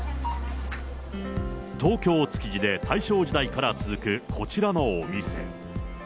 東京・築地で大正時代から続くこちらのお店。